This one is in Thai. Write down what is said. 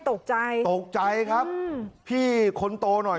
ตกใจตกใจครับพี่คนโตหน่อย